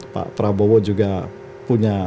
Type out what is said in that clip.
pak prabowo juga punya